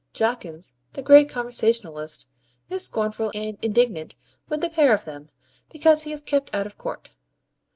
Jawkins, the great conversationalist, is scornful and indignant with the pair of them, because he is kept out of court.